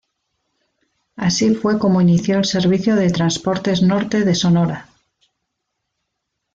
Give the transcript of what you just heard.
Así fue como inició el servicio de Transportes Norte de Sonora.